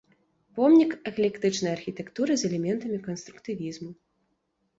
Помнік эклектычнай архітэктуры з элементамі канструктывізму.